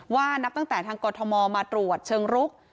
นับตั้งแต่ทางกรทมมาตรวจเชิงรุก